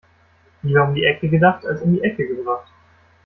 Lieber um die Ecke gedacht als um die Ecke gebracht.